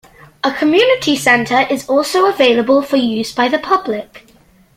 A community center is also available for use by the public.